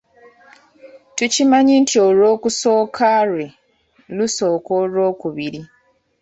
Tukimanyi nti Olwokusooka lwe lusooka Olwokubiri.